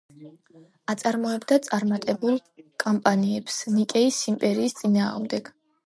აწარმოებდა წარმატებულ კამპანიებს ნიკეის იმპერიის წინააღმდეგ.